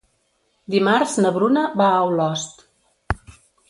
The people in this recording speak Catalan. Dimarts na Bruna va a Olost.